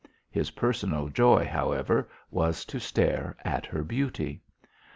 His personal joy, however, was to stare at her beauty.